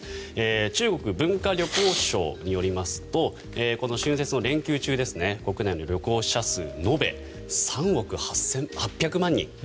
中国文化旅行省によりますとこの春節の連休中国内の旅行者数延べ３億８００万人。